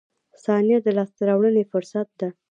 • ثانیه د لاسته راوړنې فرصت ده.